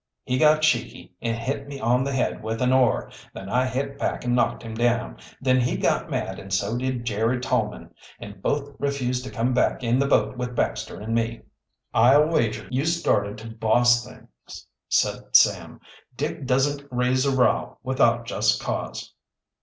He got cheeky and hit me on the head with an oar. Then I hit back and knocked him down. Then he got mad and so did Jerry Tolman, and both refused to come back in the boat with Baxter and me." "I'll wager you started to boss things," said Sam. "Dick doesn't raise a row without just cause."